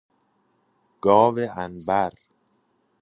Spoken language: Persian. گاو عنبر